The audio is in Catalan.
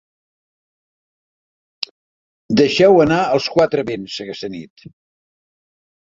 Deixa-ho anar als quatre vents aquesta nit.